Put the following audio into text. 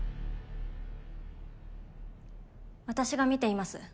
私が見ています。